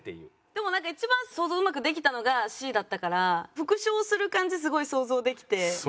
でもなんか一番想像うまくできたのがＣだったから復唱する感じすごい想像できて。